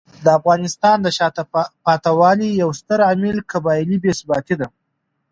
د افغانستان د شاته پاتې والي یو ستر عامل قبایلي بې ثباتي دی.